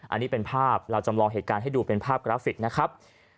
อันนี้เป็นภาพเราจำลองเหตุการณ์ให้ดูเป็นภาพกราฟิกนะครับ